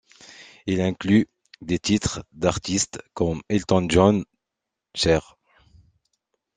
Il inclut des titres d'artistes comme Elton John, Cher.